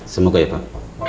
semoga ya pak